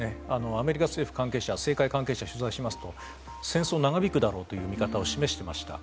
アメリカ政府関係者政界関係者を取材しますと戦争は長引くだろうという見方を示していました。